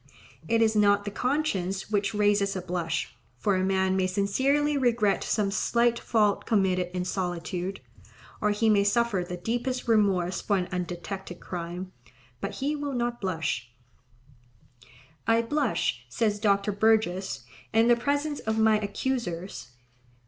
It is not the conscience which raises a blush, for a man may sincerely regret some slight fault committed in solitude, or he may suffer the deepest remorse for an undetected crime, but he will not blush. "I blush," says Dr. Burgess, "in the presence of my accusers."